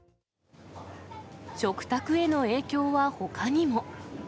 食卓への影響はほかにも。